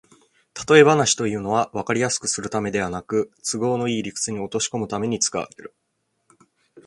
たとえ話というのは、わかりやすくするためではなく、都合のいい理屈に落としこむために使われる